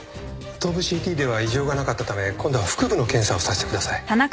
頭部ＣＴでは異常がなかったため今度は腹部の検査をさせてください。